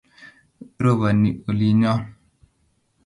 Roboni olinyoo